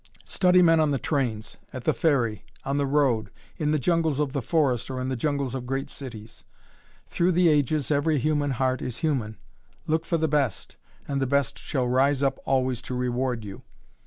Study men on the trains, at the ferry, on the road, in the jungles of the forest or in the jungles of great cities, "through the ages, every human heart is human." Look for the best, and the best shall rise up always to reward you.